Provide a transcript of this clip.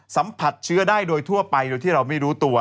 สัมผัสเชื้อได้โดยทั่วไปโดยที่เราไม่รู้ตัว